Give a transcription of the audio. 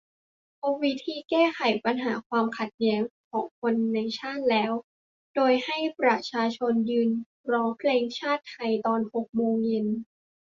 พบวิธีการแก้ไขปัญหาความขัดแย้งของคนในชาติแล้ว โดยการให้ประชาชน ยืนร้องเพลงชาติไทยตอนหกโมงเย็น